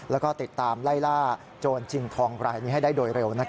แล้วก็ติดตามไล่ล่าโจรจิงทองรายนี้ให้ได้โดยเร็ว